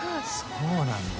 そうなんだ。